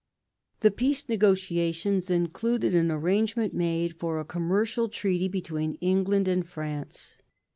The peace negotiations included an arrangement made for a commercial treaty between England and France.